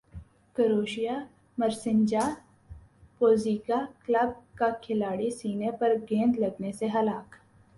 کروشیا مرسینجا Pozega club کا کھلاڑی سینے پر گیند لگنے سے ہلاک